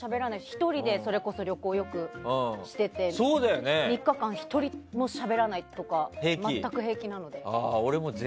１人で旅行をしていて３日間、１人もしゃべらないとか全く平気なので。